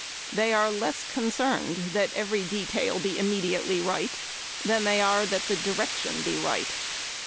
They are less concerned that every detail be immediately right than they are that the direction be right.